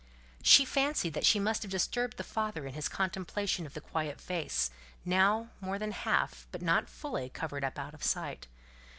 She fancied that she must have disturbed the father in his contemplation of the quiet face, now more than half, but not fully, covered up out of sight.